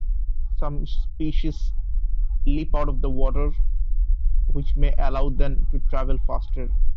Some species leap out of the water, which may allow then to travel faster.